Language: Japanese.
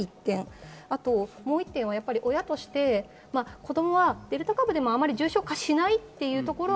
もう一点は親として、子供はデルタ株でも重症化しないというところは